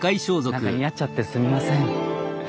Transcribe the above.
何か似合っちゃってすみません。